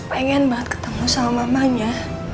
pengen mbak ketemu sama mamanya